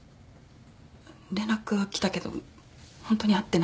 連絡は来たけどホントに会ってないんです。